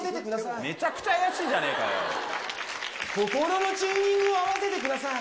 めちゃくちゃ怪しいじゃねぇ心のチューニングを合わせてください。